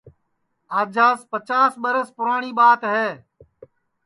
آجاس پچاس ٻرس پُراٹؔی ٻات ہے